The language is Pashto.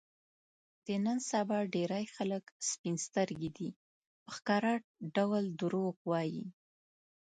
د نن سبا ډېری خلک سپین سترګي دي، په ښکاره ډول دروغ وايي.